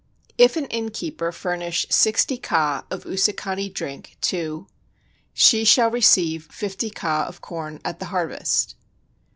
If an inn keeper furnish sixty ka of usakani drink to ... she shall receive fifty ka of corn at the harvest.